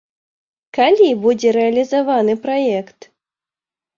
Калі будзе рэалізаваны праект?